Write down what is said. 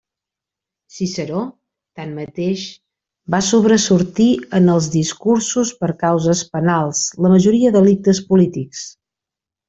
Ciceró, tanmateix, va sobresortir en els discursos per causes penals, la majoria delictes polítics.